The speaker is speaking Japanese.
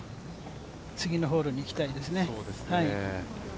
次のホールにいきたいですね。